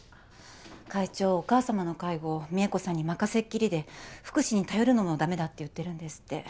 会長お母様の介護美恵子さんに任せっきりで福祉に頼るのもだめだって言ってるんですって。